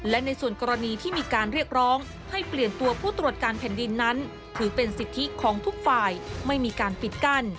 และในส่วนกรณีที่มีการเรียกร้องให้เปลี่ยนตัวผู้ตรวจการแผ่นดินนั้นถือเป็นสิทธิของทุกฝ่ายไม่มีการปิดกั้น